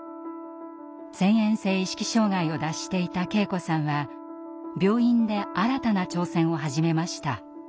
遷延性意識障害を脱していた圭子さんは病院で新たな挑戦を始めました。